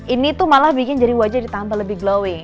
ini tuh malah bikin jadi wajah ditambah lebih glowing